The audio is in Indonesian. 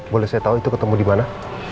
boleh saya tahu itu ketemu di mana